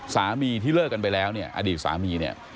ที่เลิกกันไปแล้วเนี่ยอดีตสามีเนี่ย